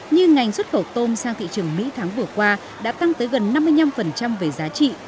như ngành xuất khẩu tôm sang thị trường mỹ tháng vừa qua đã tăng tới gần năm mươi năm về giá trị